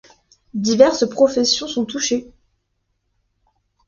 Diverses professions sont touchées.